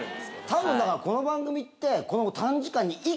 たぶんだからこの番組って。